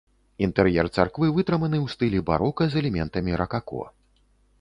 Інтэр'ер царквы вытрыманы ў стылі барока з элементамі ракако.